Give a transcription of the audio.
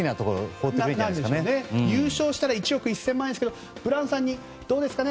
優勝したら１億１０００万円ですけどどうですかね